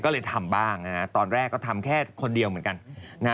ก็เลยทำบ้างต่อแรกทำแค่คนเดียวเหมือนกัน